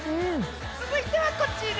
続いてはこちら。